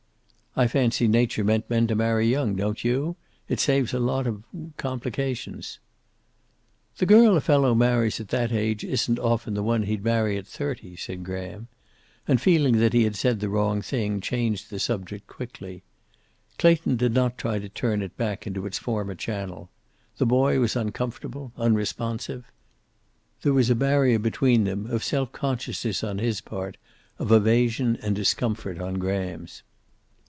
"I fancy Nature meant men to marry young, don't you? It saves a lot of complications." "The girl a fellow marries at that age isn't often the one he'd marry at thirty," said Graham. And feeling that he had said the wrong thing, changed the subject quickly. Clayton did not try to turn it back into its former channel. The boy was uncomfortable, unresponsive. There was a barrier between them, of self consciousness on his part, of evasion and discomfort on Graham's.